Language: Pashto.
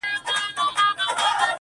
او د ځان سره جنګېږي تل،